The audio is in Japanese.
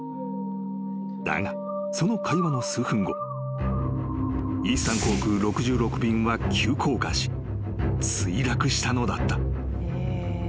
［だがその会話の数分後イースタン航空６６便は急降下し墜落したのだった］